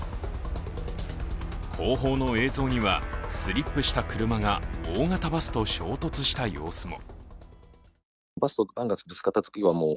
後方の映像には、スリップした車が大型バスと衝突した様子も。